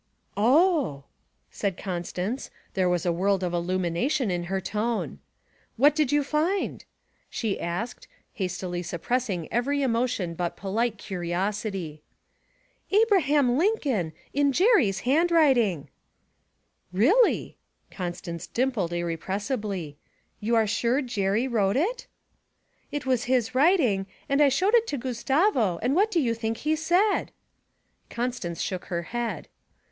'Oh!' said Constance; there was a world of illumination in her tone. 'What did you find?' she asked, hastily suppressing every emotion but polite curiosity. '"Abraham Lincoln" in Jerry's hand writing!' 'Really!' Constance dimpled irrepressibly. 'You are sure Jerry wrote it?' 'It was his writing; and I showed it to Gustavo, and what do you think he said?' Constance shook her head.